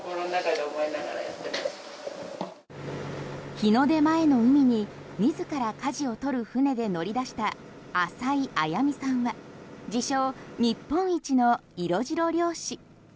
日の出前の海に自ら舵を取る船で乗り出した浅井絢美さんは自称・日本一の色白漁師。